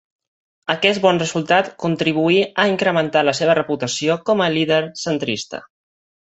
Aquest bon resultat contribuí a incrementar la seva reputació com a líder centrista.